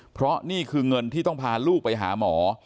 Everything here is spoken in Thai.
เพราะนี่คือเงินที่ต้องพาลูกไปหาหมอ